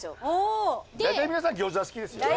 大体皆さん餃子好きですよね